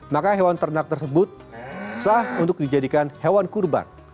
maka hewan ternak tersebut sah untuk dijadikan hewan kurban